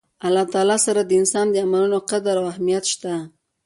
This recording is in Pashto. د الله تعالی سره د انسان د عملونو قدر او اهميت شته